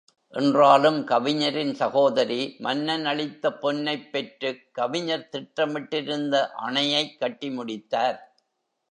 என்றாலும், கவிஞரின் சகோதரி, மன்னன் அளித்த பொன்னைப் பெற்றுக் கவிஞர் திட்டமிட்டிருந்த அணையைக் கட்டி முடித்தார்.